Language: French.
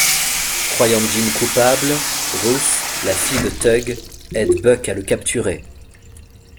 Croyant Jim coupable, Ruth, la fille de Tug, aide Buck à le capturer.